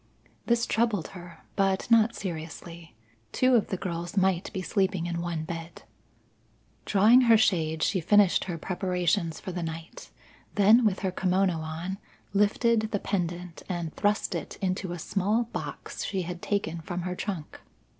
This troubled her, but not seriously. Two of the girls might be sleeping in one bed. Drawing her shade, she finished her preparations for the night; then with her kimono on, lifted the pendant and thrust it into a small box she had taken from her trunk.